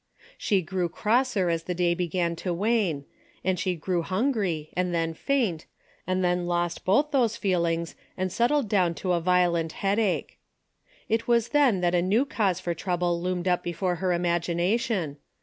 She grew crosser as the day began to wane, and she grew hun gry, and then faint, and then lost both those feelings and settled down to a violent headache. It was then that a new cause for trouble loomed up before her imagination.